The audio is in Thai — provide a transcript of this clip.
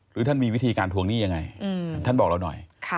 ท่านมีวิธีการทวงหนี้ยังไงท่านบอกเราหน่อย